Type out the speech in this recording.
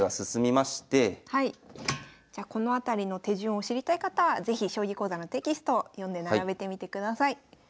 じゃこの辺りの手順を知りたい方は是非「将棋講座」のテキストを読んで並べてみてください。